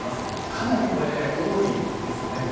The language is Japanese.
かなりこれ多いですよね。